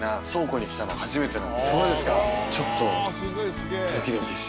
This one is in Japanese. ちょっと。